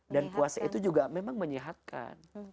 dan puasa itu juga memang menyehatkan